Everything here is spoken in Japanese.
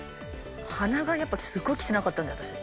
鼻がやっぱりすごい汚かったんだ私。